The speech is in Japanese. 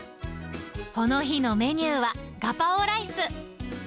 この日のメニューはガパオライス。